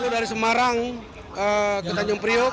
dari semarang ke tanjung priok